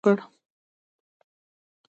پر خپل دوست حاجي اختر محمد خان غږ وکړ.